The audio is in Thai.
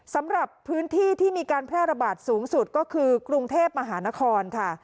สำหรับพื้นที่ที่มีการแพร่ระบาดสูงสุดก็คือกรุงเทพมหานครค่ะ